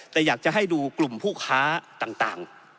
แต่อยากจะให้ดูกลุ่มผู้ค้าต่าง